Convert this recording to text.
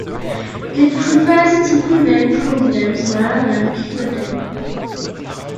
It prefers to prevent problems rather than cure them.